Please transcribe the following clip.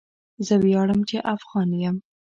زه ویاړم چې افغان یم.